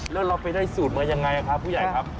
แล้วเราไปได้สูตรมายังไงครับผู้ใหญ่ครับ